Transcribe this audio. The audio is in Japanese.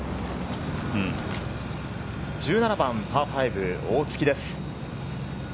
１７番パー５、大槻です。